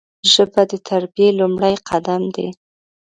ژبه د تربیې لومړی قدم دی